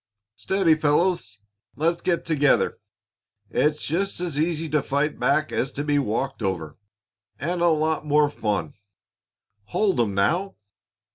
"Steady, fellows. Let's get together. It's just as easy to fight back as to be walked over and a lot more fun. Hold 'em, now!"